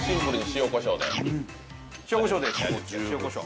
塩こしょうです。